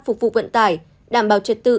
phục vụ vận tải đảm bảo trật tự